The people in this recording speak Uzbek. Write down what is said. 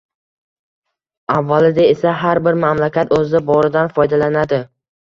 Avvalida esa har bir mamlakat o‘zida boridan foydalanadi